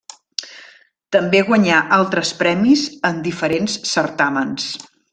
També guanyà altres premis en diferents certàmens.